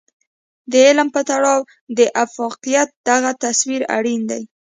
د علم په تړاو د افاقيت دغه تصور اړين دی.